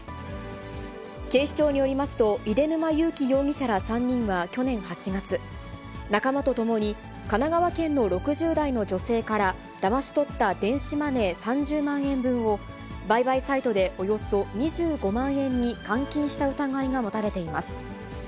警視庁によりますと、出沼悠己容疑者ら３人は去年８月、仲間と共に神奈川県の６０代の女性からだまし取った電子マネー３０万円分を売買サイトでおよそ２５万円に換金した疑いが持たれています。